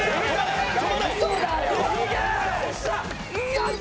よし！